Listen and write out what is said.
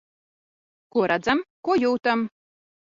Ko redzam, ko jūtam.